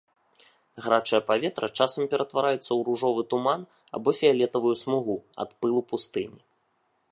Гарачае паветра часам ператвараецца ў ружовы туман або фіялетавую смугу ад пылу пустыні.